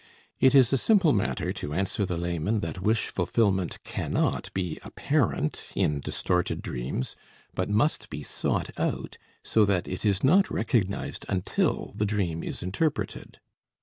It is a simple matter to answer the layman that wish fulfillment cannot be apparent in distorted dreams, but must be sought out, so that it is not recognized until the dream is interpreted.